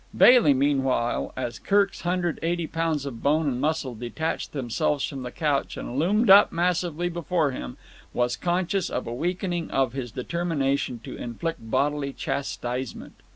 Bailey, meanwhile, as Kirk's hundred and eighty pounds of bone and muscle detached themselves from the couch and loomed up massively before him, was conscious of a weakening of his determination to inflict bodily chastisement.